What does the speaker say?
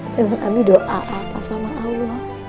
tentang abi doa apa sama allah